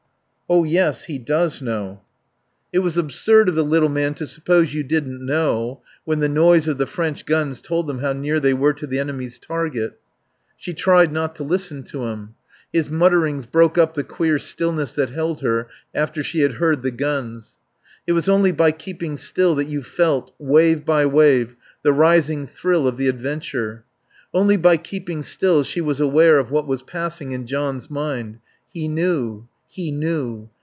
"Oh yes, he does know." It was absurd of the little man to suppose you didn't know, when the noise of the French guns told them how near they were to the enemy's target. She tried not to listen to him. His mutterings broke up the queer stillness that held her after she had heard the guns. It was only by keeping still that you felt, wave by wave, the rising thrill of the adventure. Only by keeping still she was aware of what was passing in John's mind. He knew. He knew.